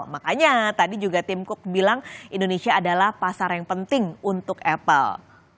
makanya tadi juga tim cook bilang indonesia adalah pasar yang penting untuk apple